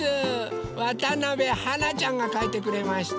わたなべはなちゃんがかいてくれました。